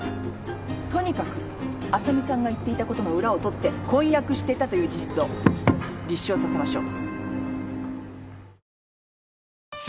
とにかく麻美さんが言っていたことの裏を取って婚約していたという事実を立証させましょう。